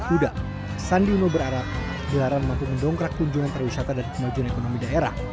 huda sandi uno berarah gelaran mati mendongkrak kunjungan perusahaan dan kemajuan ekonomi daerah